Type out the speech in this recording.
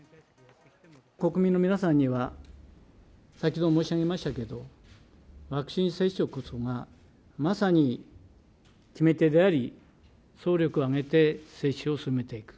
国民の皆さんには、先ほど申し上げましたけど、ワクチン接種こそが、まさに決め手であり、総力を挙げて接種を進めていく。